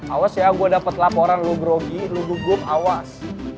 awas ya gue dapet laporan lo grogi lo gugup awas